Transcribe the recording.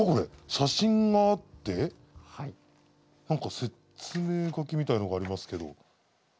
写真があって何か説明書きみたいのがありますけど。